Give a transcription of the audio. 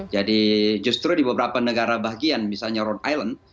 jadi justru di beberapa negara bahagian misalnya rhode island